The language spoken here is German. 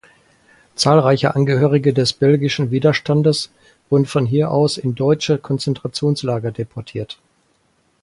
Zahlreiche Angehörige des belgischen Widerstandes wurden von hier aus in deutsche Konzentrationslager deportiert.